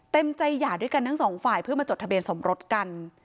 เต็มใจหย่าด้วยกันทั้งสองฝ่ายเพื่อมาจดทะเบียนสมรสกัน